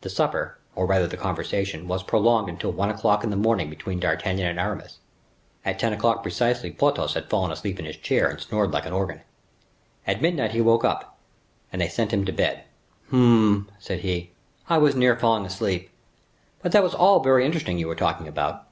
The supper, or rather, the conversation, was prolonged till one o'clock in the morning between D'Artagnan and Aramis. At ten o'clock precisely, Porthos had fallen asleep in his chair and snored like an organ. At midnight he woke up and they sent him to bed. "Hum!" said he, "I was near falling asleep; but that was all very interesting you were talking about."